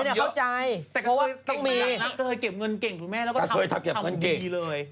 กะเทยเนี่ยเข้าใจแต่กะเทยเก็บเงินเก่งรู้ไหมแล้วก็ทำดีเลยกะเทยทำเก็บเงินเก่ง